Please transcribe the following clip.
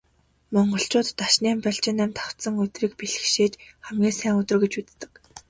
Монголчууд Дашням, Балжинням давхацсан өдрийг бэлгэшээж хамгийн сайн өдөр гэж үздэг.